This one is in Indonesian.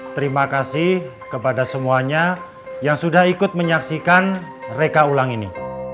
terima kasih kepada semuanya yang sudah ikut menyaksikan reka ulang ini